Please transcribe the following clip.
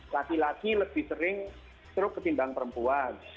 laki laki lebih sering stroke ketimbang perempuan